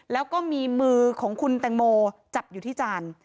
แล้วก็มีมือของคุณแตงโมจับอยู่ที่จาน